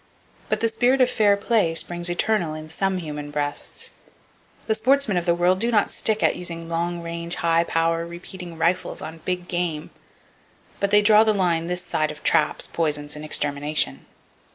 But the spirit of fair play springs eternal in some human breasts. The sportsmen of the world do not stick at using long range, high power repeating rifles on big game, but they draw the line this side of traps, poisons and extermination.